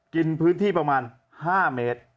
กินพื้นที่ประมาณ๕เมตร